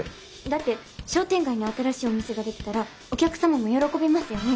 だって商店街に新しいお店ができたらお客様も喜びますよね？